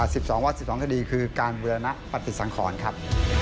สิบสองวัดสิบสองคดีคือการบุรณปฏิสังขรครับ